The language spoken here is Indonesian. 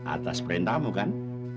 atas perintahmu kan